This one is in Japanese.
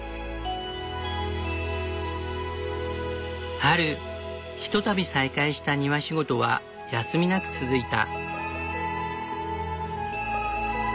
春ひとたび再開した庭仕事は休みなく続いた。